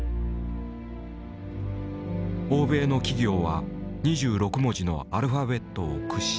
欧米の企業は２６文字のアルファベットを駆使。